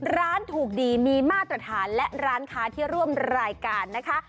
ร้านถูกดีมีมาตรฐานและร้านค้าที่ร่วมรายการนะคะ